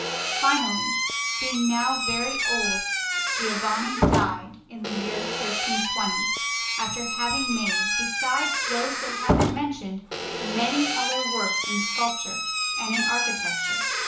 Finally, being now very old, Giovanni died in the year 1320, after having made, besides those that have been mentioned, many other works in sculpture and in architecture.